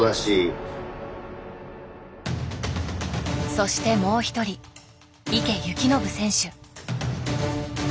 そしてもう一人池透暢選手。